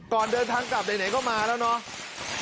ก่อนเดินทางกลับไหนก็มาแล้วเนาะ